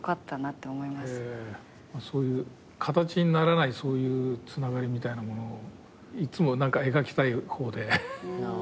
形にならないそういうつながりみたいなものをいつも描きたい方で。